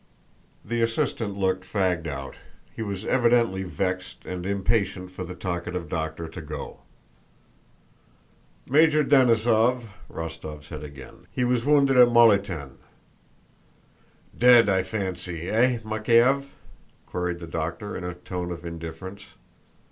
The assistant looked fagged out. He was evidently vexed and impatient for the talkative doctor to go. "Major Denísov," Rostóv said again. "He was wounded at Molliten." "Dead, I fancy. Eh, Makéev?" queried the doctor, in a tone of indifference.